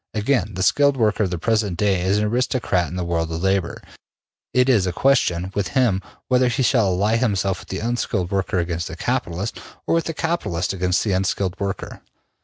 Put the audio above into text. Again: the skilled worker of the present day is an aristocrat in the world of labor. It is a question with him whether he shall ally himself with the unskilled worker against the capitalist, or with the capitalist against the unskilled worker.